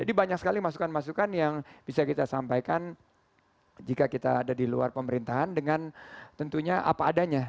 banyak sekali masukan masukan yang bisa kita sampaikan jika kita ada di luar pemerintahan dengan tentunya apa adanya